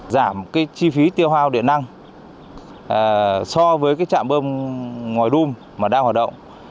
giảm chi phí tiêu hoa điện năng so với trạm bơm ngoài đun mà đang hoạt động